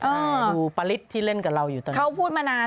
ดูปริศที่เล่นกับเราอยู่ตอนนี้เขาพูดมานาน